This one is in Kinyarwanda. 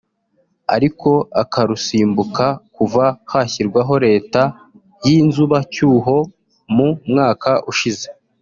ariko akarusimbuka kuva hashyirwaho leta y’inzubacyuho mu mwaka ushize